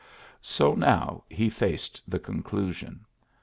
So now he faced the conclusion.